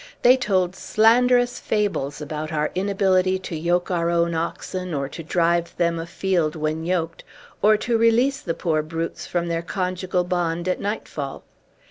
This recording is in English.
They told slanderous fables about our inability to yoke our own oxen, or to drive them afield when yoked, or to release the poor brutes from their conjugal bond at nightfall.